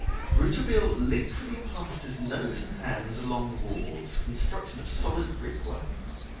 Rouletabille literally passed his nose and hands along the walls, constructed of solid brickwork.